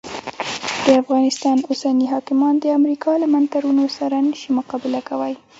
د افغانستان اوسني حاکمان د امریکا له منترونو سره نه سي مقابله کولای.